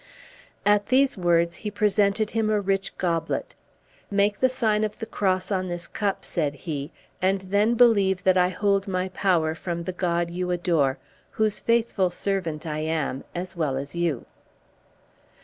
At these words he presented him a rich goblet. "Make the sign of the cross on this cup," said he, "and then believe that I hold my power from the God you adore, whose faithful servant I am, as well as you."